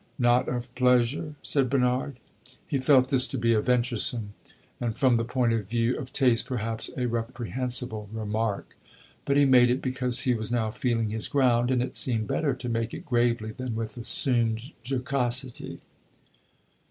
"Not of pleasure!" said Bernard. He felt this to be a venturesome, and from the point of view of taste perhaps a reprehensible, remark; but he made it because he was now feeling his ground, and it seemed better to make it gravely than with assumed jocosity.